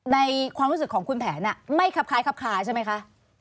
ในความรู้สึกของคุณแผนไม่คับคล้ายคับคลาใช่ไหมคะ